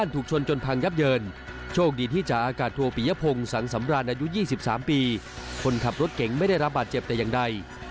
ที่สำราญอายุ๒๓ปีคนขับรถเก่งไม่ได้รับบาดเจ็บแต่อย่างใด